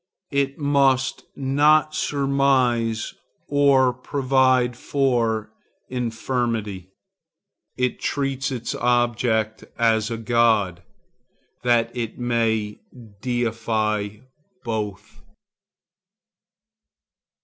It must not surmise or provide for infirmity. It treats its object as a god, that it may deify both.